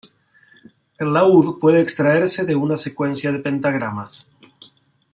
El laúd puede extraerse de una secuencia de pentagramas.